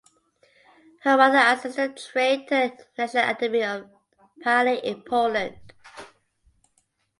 Her mother and sister trained at the National Academy of Ballet in Poland.